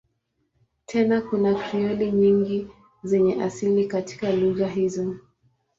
Tena kuna Krioli nyingi zenye asili katika lugha hizo.